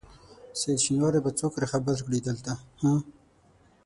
سعید شېنواری به څوک راخبر کړي دلته ها؟